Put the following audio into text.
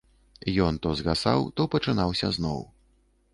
Ён то згасаў, то пачынаўся зноў.